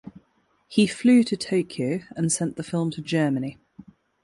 He flew to Tokyo and sent the film to Germany.